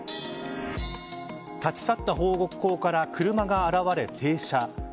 立ち去った方向から車が現れ、停車。